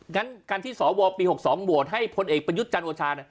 งั้นการที่สวปี๖๒โหวตให้พลเอกประยุทธ์จันทร์โอชา